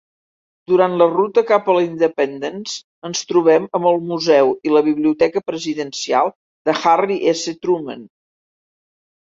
Durant la ruta cap a Independence ens trobem amb el Museu i la Biblioteca Presidencial de Harry S. Truman.